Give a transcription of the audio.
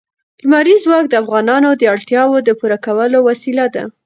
لمریز ځواک د افغانانو د اړتیاوو د پوره کولو وسیله ده.